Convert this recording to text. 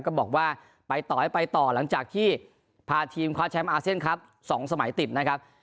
ก็บอกว่าไปต่อให้ไปต่อหลังจากที่พาทีมคว้าแชมป์อาเซียนครับ๒สมัยติดนะครับ